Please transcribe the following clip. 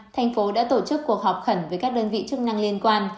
thành phố đã tổ chức cuộc họp khẩn với các đơn vị chức năng liên quan